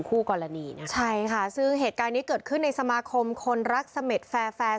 คู่กรณีนะใช่ค่ะซึ่งเหตุการณ์นี้เกิดขึ้นในสมาคมคนรักเสม็ดแฟร์แฟร์